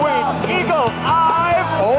menjadi semangat jiwaku